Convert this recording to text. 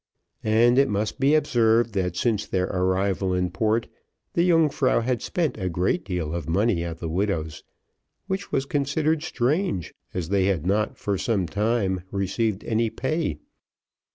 And it must be observed, that since their arrival in port, the Yungfrau had spent a great deal of money at the widow's; which was considered strange, as they had not, for some time, received any pay.